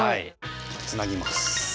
つなぎます。